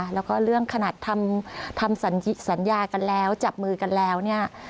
แล้วก็เรื่องขนาดทำสัญญากันแล้วจับมือกันแล้วเนี่ย